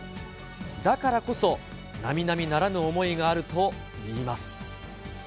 だからこそ、並々ならぬ思いがあるといいます。